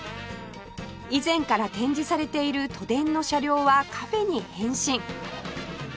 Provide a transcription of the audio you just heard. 以前から展示されている都電の車両はカフェに変身